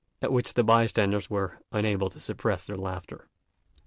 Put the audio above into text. at which the bystanders were unable to suppress their laughter.